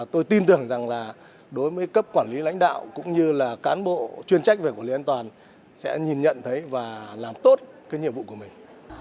tôi tin tưởng rằng là đối với cấp quản lý lãnh đạo cũng như là cán bộ chuyên trách về quản lý an toàn sẽ nhìn nhận thấy và làm tốt cái nhiệm vụ của mình